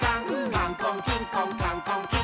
「カンコンキンコンカンコンキン！」